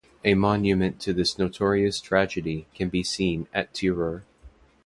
A monument to this notorious tragedy can be seen at Tirur.